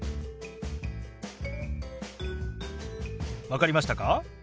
分かりましたか？